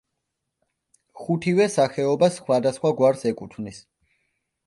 ხუთივე სახეობა სხვადასხვა გვარს ეკუთვნის.